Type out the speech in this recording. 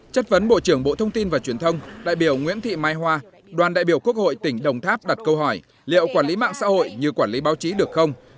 chất vấn bộ trưởng bộ thông tin và truyền thông đại biểu nguyễn thị mai hoa đoàn đại biểu quốc hội tỉnh đồng tháp đặt câu hỏi liệu quản lý mạng xã hội như quản lý báo chí được không